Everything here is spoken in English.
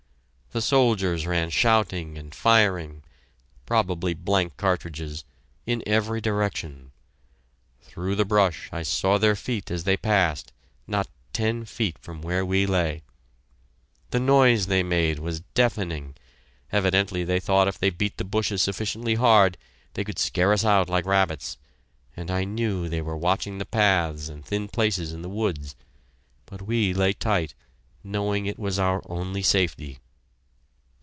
The soldiers ran shouting and firing (probably blank cartridges) in every direction. Through the brush I saw their feet as they passed not ten feet from where we lay. The noise they made was deafening; evidently they thought if they beat the bushes sufficiently hard, they could scare us out like rabbits, and I knew they were watching the paths and thin places in the woods. But we lay tight, knowing it was our only safety.